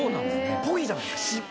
っぽいじゃないですか。